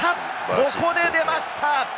ここで出ました。